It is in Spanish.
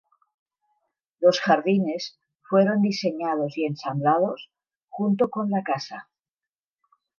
Los jardines fueron diseñados y ensamblados, junto con la casa.